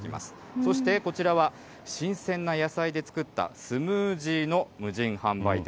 そして、こちらは新鮮な野菜で作ったスムージーの無人販売店。